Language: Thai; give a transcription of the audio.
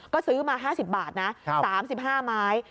ก็ซื้อมา๕๐บาทนะ๓๕ไม้